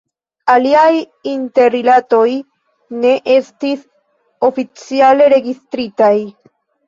Iliaj interrilatoj ne estis oficiale registritaj.